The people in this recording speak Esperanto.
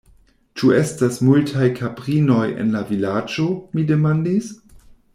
Ĉu estas multaj kaprinoj en la Vilaĝo? mi demandis.